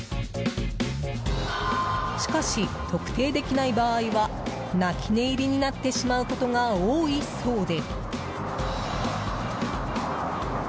しかし、特定できない場合は泣き寝入りになってしまうことが多いそうで。